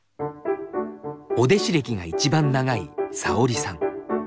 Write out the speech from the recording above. お弟子歴が一番長いさおりさん。